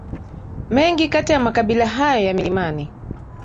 Mengi kati ya makabila hayo ya milimani